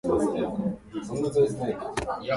ここにタイトルを入力してください。